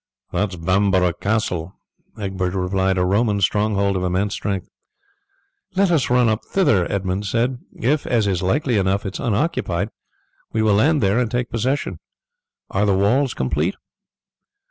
"It is Bamborough Castle," Egbert replied, "a Roman stronghold of immense strength." "Let us run up thither," Edmund said. "If, as is likely enough, it is unoccupied, we will land there and take possession. Are the walls complete?"